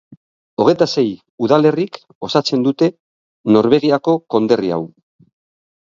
Hogeita sei udalerrik osatzen dute Norvegiako konderri hau.